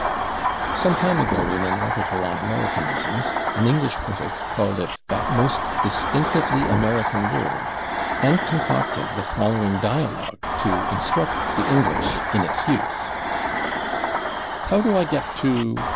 Some time ago, in an article on Americanisms, an English critic called it "that most distinctively American word," and concocted the following dialogue to instruct the English in its use: How do I get to